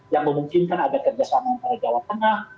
yang memungkinkan ada kerjasama antara jawa tengah